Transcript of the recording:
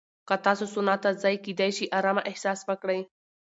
که تاسو سونا ته ځئ، کېدای شي ارامه احساس وکړئ.